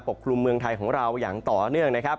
กลุ่มเมืองไทยของเราอย่างต่อเนื่องนะครับ